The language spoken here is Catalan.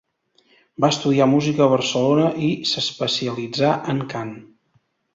Va estudiar música a Barcelona i s'especialitzà en cant.